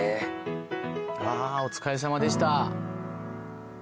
ああお疲れさまでした。